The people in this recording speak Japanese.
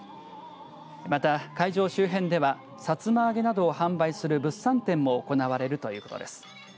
また会場周辺ではさつま揚げなどを販売する物産展も行われるということです。